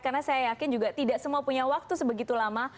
karena saya yakin juga tidak semua punya waktu sebegitu lama